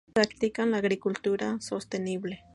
Practican la agricultura sostenible.